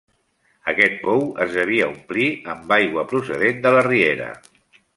Aquest pou es devia omplir amb aigua procedent de la riera.